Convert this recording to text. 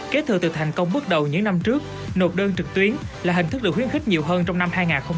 kế thừa từ thành công bước đầu những năm trước nộp đơn trực tuyến là hình thức được khuyến khích nhiều hơn trong năm hai nghìn hai mươi